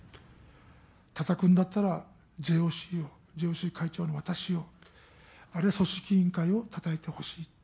たたくんだったらＪＯＣを、ＪＯＣ会長の私を、あるいは組織委員会をたたいてほしい。